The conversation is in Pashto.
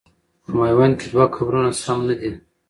په میوند کې دوه قبرونه سم نه دي.